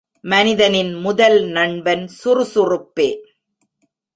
மனிதனின் முதல் நண்பன் சுறுசுறுப்பே.